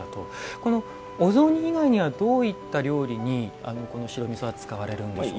この、お雑煮以外にはどういった料理に白みそは使われるんでしょうか。